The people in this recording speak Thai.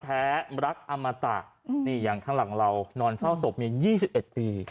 แท้รักอมตะนี่อย่างข้างหลังเรานอนเฝ้าศพมี๒๑ปี